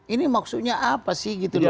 ini maksudnya apa sih gitu loh